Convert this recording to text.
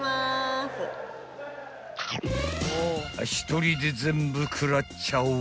［１人で全部食らっちゃう］